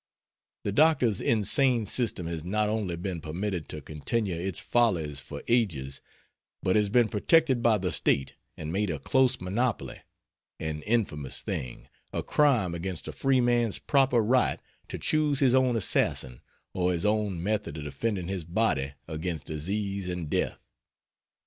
The doctor's insane system has not only been permitted to continue its follies for ages, but has been protected by the State and made a close monopoly an infamous thing, a crime against a free man's proper right to choose his own assassin or his own method of defending his body against disease and death.